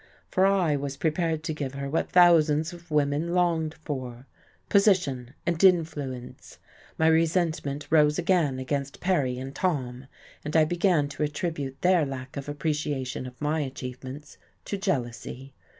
For I was prepared to give her what thousands of women longed for, position and influence. My resentment rose again against Perry and Tom, and I began to attribute their lack of appreciation of my achievements to jealousy.